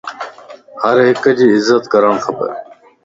ھرڪي جي عزت ڪرڻ کپ